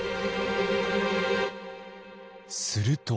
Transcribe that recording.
すると。